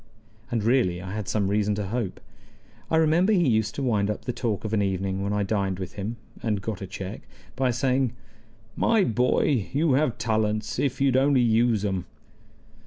And really I had some reason to hope. I remember he used to wind up the talk of an evening when I dined with him (and got a check) by saying: "My boy, you have talents, if you'd only use 'em."